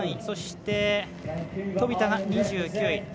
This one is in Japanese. そして、飛田が２９位。